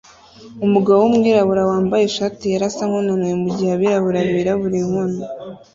Umugabo wumwirabura wambaye ishati yera asa nkunaniwe mugihe abirabura birabura inkono